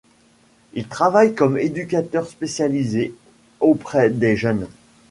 Il travaille comme éducateur spécialisé auprès des jeunes.